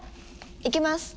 いきます。